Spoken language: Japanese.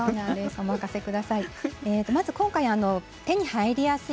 お任せください。